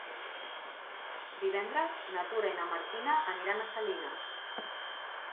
Divendres na Tura i na Martina aniran a Salines.